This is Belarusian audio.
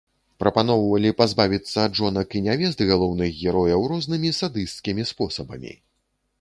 Прапаноўвалі пазбавіцца ад жонак і нявест галоўных герояў рознымі садысцкімі спосабамі.